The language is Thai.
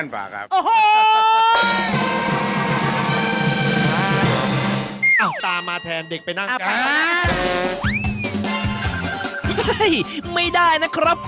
สวัสดีครับ